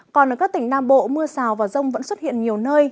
còn ở các tỉnh nam bộ mưa rào và rông vẫn xuất hiện nhiều nơi